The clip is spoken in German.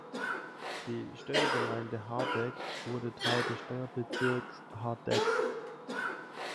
Die Steuergemeinde Hardegg wurde Teil des Steuerbezirks Hardegg.